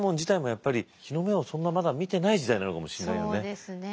そうですね。